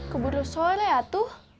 keburu sore ya tuh